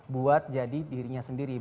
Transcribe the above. buat jadi dirinya sendiri